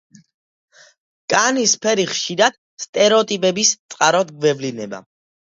კანის ფერი ხშირად სტერეოტიპების წყაროდ გვევლინება.